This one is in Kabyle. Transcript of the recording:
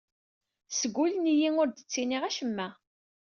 Sgullen-iyi ur d-ttiniɣ acemma.